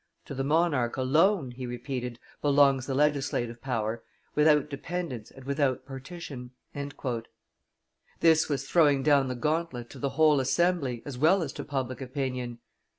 "To the monarch alone," he repeated, "belongs the legislative power, without dependence and without partition." This was throwing down the gauntlet to the whole assembly as well as to public opinion.